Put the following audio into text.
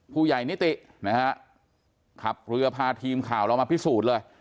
นิตินะฮะขับเรือพาทีมข่าวเรามาพิสูจน์เลย